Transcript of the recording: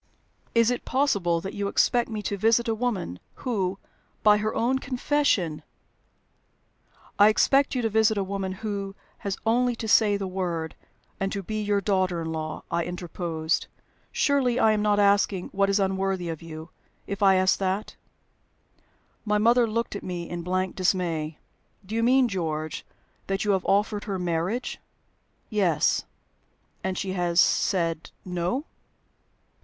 "Is it possible that you expect me to visit a woman, who, by her own confession " "I expect you to visit a woman who has only to say the word and to be your daughter in law," I interposed. "Surely I am not asking what is unworthy of you, if I ask that?" My mother looked at me in blank dismay. "Do you mean, George, that you have offered her marriage?" "Yes." "And she has said No?"